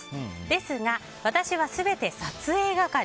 ですが私は全て撮影係。